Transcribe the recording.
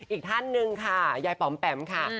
อีกท่านหนึ่งค่ะยายป๋อมแปมค่ะ